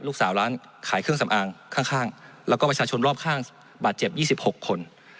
ร้านขายเครื่องสำอางข้างแล้วก็ประชาชนรอบข้างบาดเจ็บ๒๖คน